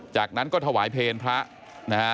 จากนั้นก็ถวายเพลงพระนะฮะ